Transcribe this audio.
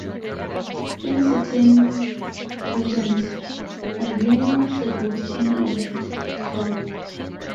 In certain legends "Alvinne" was a ghost in a white cloak.